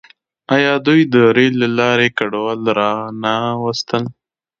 آیا دوی د ریل له لارې کډوال را نه وستل؟